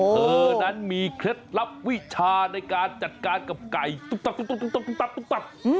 เธอนั้นมีเคล็ดลับวิชาในการจัดการกับไก่ตุ๊บตับตุ๊บตับ